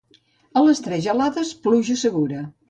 A les tres gelades, pluja segura.